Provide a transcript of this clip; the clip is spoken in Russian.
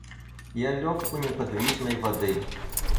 Я лег у неподвижной воды.